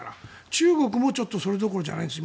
中国もちょっと今それどころじゃないんです。